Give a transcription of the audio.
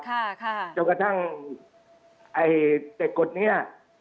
ค่ะค่ะจนกระทั่งไอ้แต่กฎเนี้ย